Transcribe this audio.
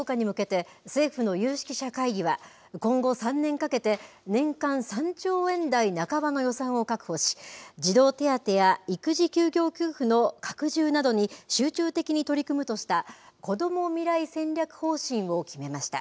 少子化対策の強化に向けて、政府の有識者会議は、今後３年かけて年間３兆円台半ばの予算を確保し、児童手当や育児休業給付の拡充などに集中的に取り組むとした、こども未来戦略方針を決めました。